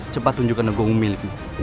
cepat tunjukkan negomu milikmu